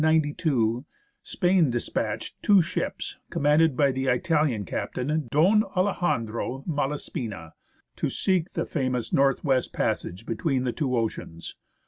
ELIAS A few years later, in 1792, Spain despatched two ships, com manded by the Italian captain Don Alejandro Malaspina, to seek the famous North west Passage between the two oceans.